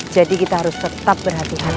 jadi kita harus tetap berhati hatimu